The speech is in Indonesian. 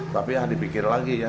tapi ya dipikir lagi ya